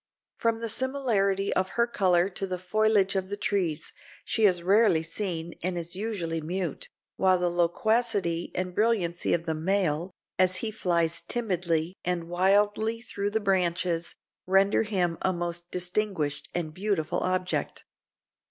From the similarity of her color to the foliage of the trees, she is rarely seen and is usually mute, while the loquacity and brilliancy of the male, as he flies timidly and wildly through the branches, render him a most distinguished and beautiful object."